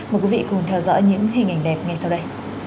mời quý vị cùng theo dõi những hình ảnh đẹp ngay sau đây